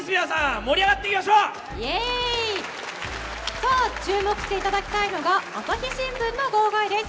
さあ、注目していただきたいのが朝日新聞の号外です。